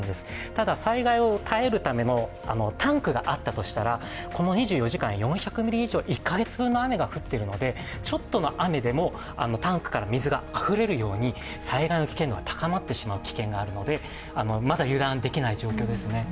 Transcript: ただ、災害を耐えるためのタンクがあったとしたら、この２４時間、４００ミリ以上、１か月分の雨が降っているので、ちょっとの雨でもタンクから水があふれるように、災害の危険度が高まってしまう危険があるので、まだ油断できない状況ですね。